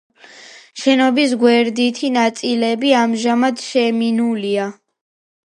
შენობის გვერდითი ნაწილები ამჟამად შემინულია.